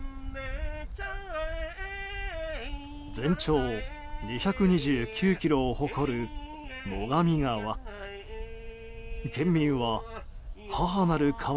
全長２２９ｋｍを誇る最上川。